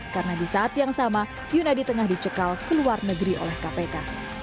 karena di saat yang sama yunadi tengah dicekal ke luar negeri oleh kpk